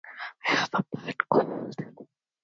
He has shown his paintings all around England and Israel.